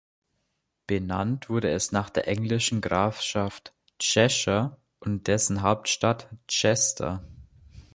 Benannt wurde es nach der englischen Grafschaft Cheshire und dessen Hauptstadt Chester.